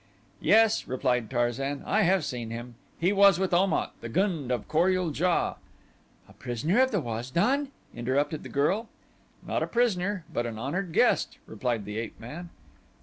"Yes," replied Tarzan, "I have seen him. He was with Om at, the gund of Kor ul JA." "A prisoner of the Waz don?" interrupted the girl. "Not a prisoner but an honored guest," replied the ape man.